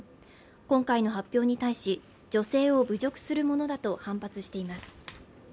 今回の発表に対し女性を侮辱するものだと反発しています